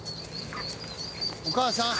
お母さん！